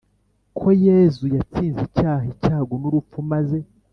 ko yezu yatsinze icyaha, icyago n’urupfu maze